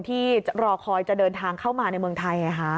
ที่รอคอยจะเดินทางเข้ามาในเมืองไทย